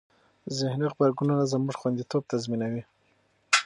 ذهني غبرګونونه زموږ خوندیتوب تضمینوي.